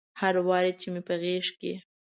هر وار چې مې په غیږ کې